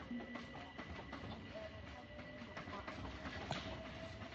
N-guura, n-yiɣira ka bilindi mɔri ni.